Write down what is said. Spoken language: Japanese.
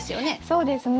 そうですね。